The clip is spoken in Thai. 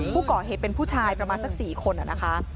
ผู้ก่อเหตุเป็นผู้ชายประมาณสัก๔คนนะคะ